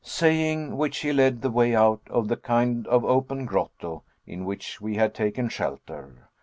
Saying which, he led the way out of the kind of open grotto in which we had taken shelter.